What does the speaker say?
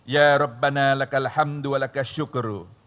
ya rabbana lakalhamdu lakasyukru